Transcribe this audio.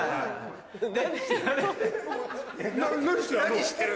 何してる。